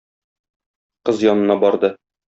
Кыз янына барды.